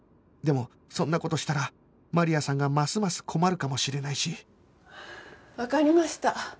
でもそんな事したらマリアさんがますます困るかもしれないしわかりました。